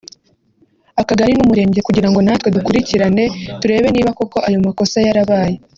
akagari n’umurenge kugira ngo natwe dukurikirane turebe niba koko ayo makosa yarabaye